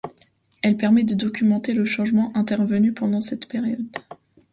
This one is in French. Elle permet de documenter le changement intervenu pendant cette période.